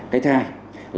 cái thứ hai